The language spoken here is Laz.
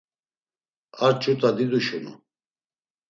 Ar ç̌ut̆a diduşunu.